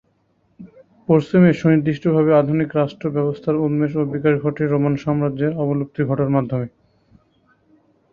পশ্চিমে সুনির্দিষ্টভাবে আধুনিক রাষ্ট্র ব্যবস্থার উন্মেষ ও বিকাশ ঘটে রোমান সাম্রাজ্যের অবলুপ্তি ঘটার মাধ্যমে।